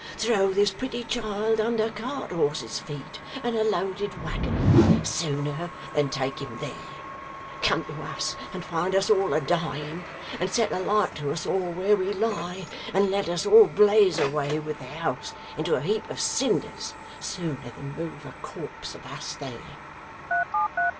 Throw this pretty child under cart horses feet and a loaded waggon, sooner than take him there. Come to us and find us all a dying, and set a light to us all where we lie and let us all blaze away with the house into a heap of cinders sooner than move a corpse of us there!